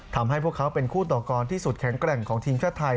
พวกเขาเป็นคู่ต่อกรที่สุดแข็งแกร่งของทีมชาติไทย